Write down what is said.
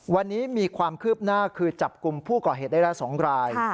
วันนี้มีความคืบหน้าคือจับกลุ่มผู้ก่อเหตุได้แล้ว๒ราย